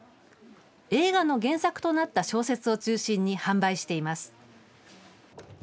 映画の原作となった小説を中心に販売しています。